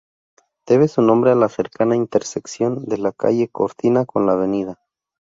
Debe su nombre a la cercana intersección de la calle Cortina con la Av.